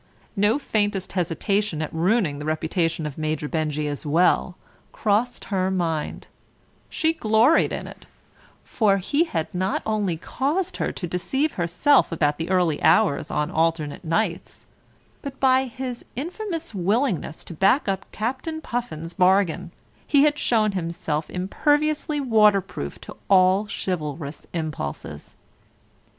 No faintest hesitation at ruining the reputation of Major Benjy as well crossed her mind; she gloried in it, for he had not only caused her to deceive herself about the early hours on alternate nights, but by his infamous willingness to back up Captain Puffin's bargain, he had shown himself imperviously waterproof to all chivalrous impulses.